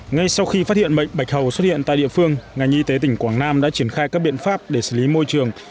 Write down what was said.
ngay sau khi phát hiện bệnh bạch hầu xuất hiện tại địa phương ngành y tế tỉnh quảng nam đã triển khai các biện pháp để xử lý môi trường